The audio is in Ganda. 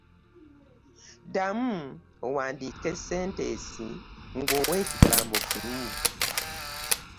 Ddamu owandiike sentensi ng'owa ekigambo kimu.